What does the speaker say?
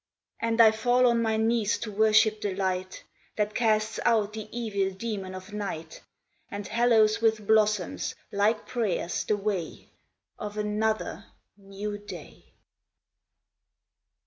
And I fall on my knees to worship the light That casts out the evil demon of Night, And hallows with blossoms, like prayers, the way Of another new day.